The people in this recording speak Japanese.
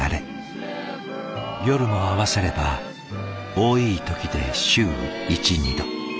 夜も合わせれば多い時で週１２度。